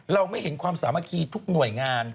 เราไม่เห็นความสามัคคีทุกหน่วยงาน